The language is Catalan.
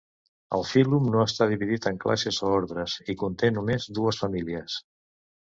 El fílum no està dividit en classes o ordres, i conté només dues famílies.